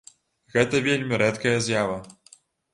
Гэта вельмі рэдкая з'ява.